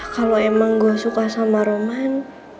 kalau emang gue suka sama roman